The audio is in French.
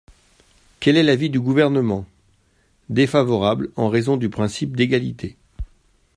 Quel est l’avis du Gouvernement ? Défavorable, en raison du principe d’égalité.